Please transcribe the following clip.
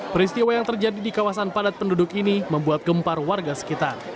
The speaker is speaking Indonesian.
peristiwa yang terjadi di kawasan padat penduduk ini membuat gempar warga sekitar